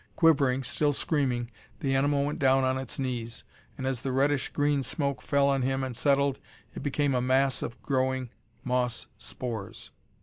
Quivering, still screaming, the animal went down on its knees, and as the reddish green smoke fell on him and settled, it became a mass of growing moss spores.